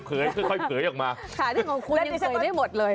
ค่ะนี่ของคุณยังเผยไม่หมดเลย